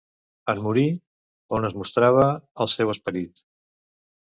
En morir, on es mostrava el seu esperit?